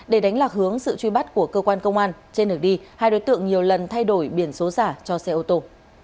để đánh lạc hướng sự truy bắt của cơ quan công an trên đường đi hai đối tượng nhiều lần thay đổi biển số giả cho xe ô tô